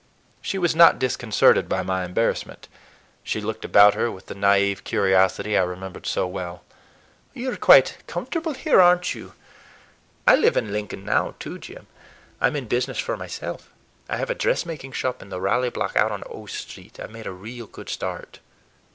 She was not disconcerted by my embarrassment. She looked about her with the naïve curiosity I remembered so well. "You are quite comfortable here, are n't you? I live in Lincoln now, too, Jim. I'm in business for myself. I have a dressmaking shop in the Raleigh Block, out on O Street. I've made a real good start."